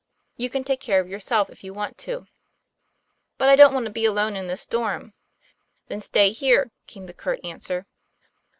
' You can take care of yourself, if you want to." 'But I don't want to be alone in this storm." 'Then stay here," came the curt answer.